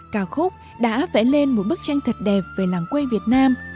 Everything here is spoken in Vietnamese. ca khúc đã vẽ lên một bức tranh thật đẹp về làng quê việt nam